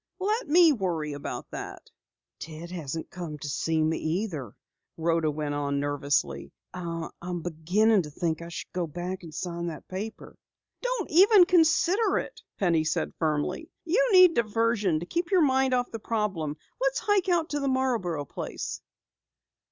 "Let me worry about that." "Ted hasn't come to see me either," Rhoda went on nervously. "I I'm beginning to think I should go back and sign that paper." "Don't even consider it," Penny said firmly. "You need diversion to keep your mind off the problem. Let's hike out to the Marborough place!"